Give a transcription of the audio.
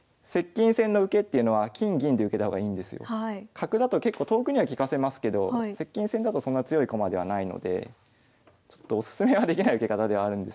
角だと結構遠くには利かせますけど接近戦だとそんな強い駒ではないのでちょっとオススメはできない受け方ではあるんですけど。